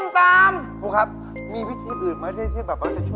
แต่ว่าไม่มีไม่มีเลยเหรอวันนี้ไม่ได้เอาอะไรมาเลยเหรอ